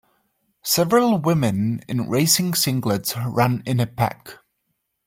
Several women in racing singlets run in a pack.